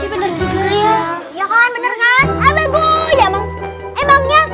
bener juga ya ya kan bener kan abanggu emangnya enggak ada gunanya ya kan bener kan abanggu emangnya